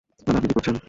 দাদা, আপনি কী করছেন?